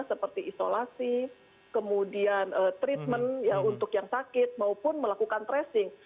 seperti isolasi kemudian treatment untuk yang sakit maupun melakukan tracing